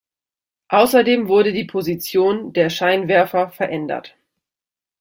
Außerdem wurde die Position der Scheinwerfer verändert.